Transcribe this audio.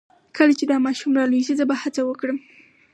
کله چې دا ماشوم را لوی شي زه به هڅه وکړم